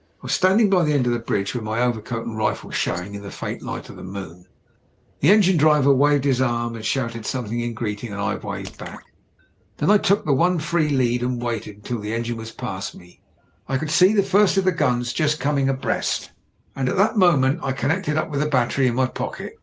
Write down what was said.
I was standing by the end of the bridge, with my overcoat and rifle showing in the faint light of the moon. The engine driver waved his arm and shouted something in greeting and I waved back. Then I took the one free lead and waited until the engine was past me. I could see the first of the gtins, just coming abreast, and at that moment I connected up with the battery in my pocket.